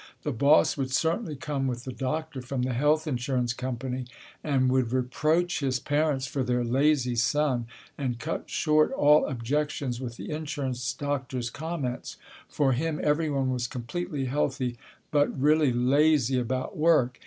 The boss would certainly come with the doctor from the health insurance company and would reproach his parents for their lazy son and cut short all objections with the insurance doctor's comments; for him everyone was completely healthy but really lazy about work.